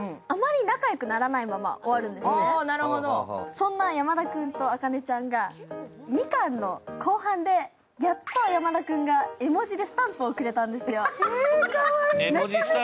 そんな山田君と茜ちゃんが２巻の後半で、やっと山田君が絵文字でスタンプをくれたんです